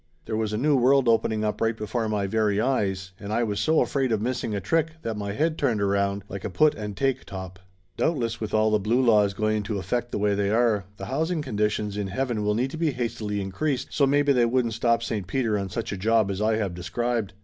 There was a new world opening up right before my very eyes, and I was so afraid of missing a trick that my head turned around like a put and take top Doubtless with all the blue laws going into effect the way they are, the housing conditions in heaven will need to be hastily increased, so maybe they wouldn't stop Saint Peter on such a job as I have described.